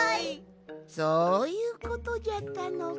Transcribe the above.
そういうことじゃったのか。